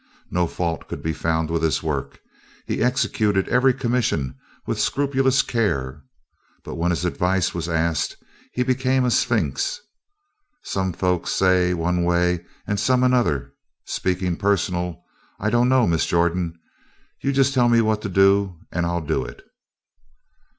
No fault could be found with his work. He executed every commission with scrupulous care. But when his advice was asked he became a sphinx. "Some folks say one way and some another. Speaking personal, I dunno, Miss Jordan. You just tell me what to do and I'll do it."